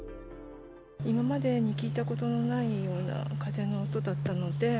今までに聞いたことのないような風の音だったので。